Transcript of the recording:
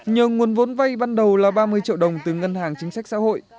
nhờ nguồn vốn vay ban đầu là ba mươi triệu đồng từ ngân hàng chính sách xã hội